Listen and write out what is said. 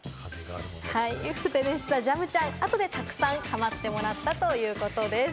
ふて寝したジャムちゃん、あとでたくさんかまってもらったということです。